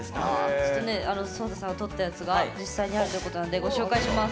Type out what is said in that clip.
ちょっとね颯太さんが撮ったやつが実際にあるということなんでご紹介します。